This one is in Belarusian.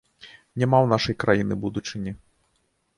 Няма ў нашай краіны будучыні.